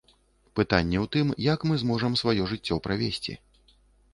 Пытанне ў тым, як мы зможам сваё жыццё правесці.